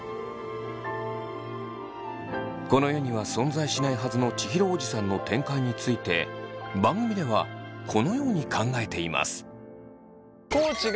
この世には存在しないはずの千尋おじさんの展開について番組ではこのように考えています。